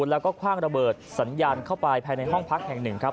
แล้วก็คว่างระเบิดสัญญาณเข้าไปภายในห้องพักแห่งหนึ่งครับ